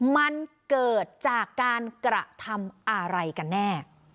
มันเกิดจากการกระทำอะไรกันแน่